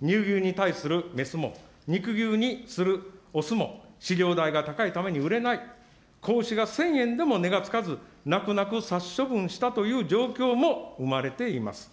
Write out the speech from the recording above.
乳牛に対する雌も肉牛にする雄も、飼料代が高いために売れない、子牛が１０００円でも値がつかず、泣く泣く殺処分したという状況も生まれています。